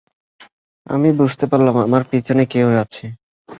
আমি বুঝতে পারলাম আমার পিছনে কেউ আছে।